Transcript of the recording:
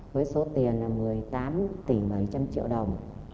với số tiền là một mươi tám tỷ bảy trăm linh triệu đồng